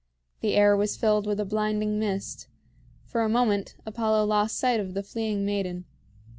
The air was filled with a blinding mist. For a moment Apollo lost sight of the fleeing maiden.